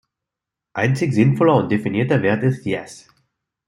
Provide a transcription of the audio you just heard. Einzig sinnvoller und definierter Wert ist "yes".